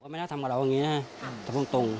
ไม่น่าทำกับเราอย่างนี้นะแต่พูดตรง